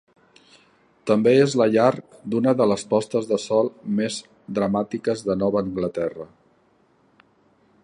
També és la llar d'una de les postes de sol més dramàtiques de Nova Anglaterra.